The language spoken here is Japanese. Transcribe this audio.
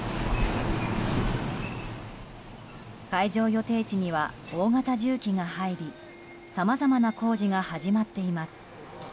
会場予定地には大型重機が入りさまざまな工事が始まっています。